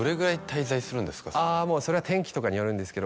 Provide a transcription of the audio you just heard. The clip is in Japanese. それは天気とかによるんですけど。